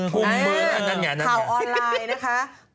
ข่าวออนไลน์นะคะ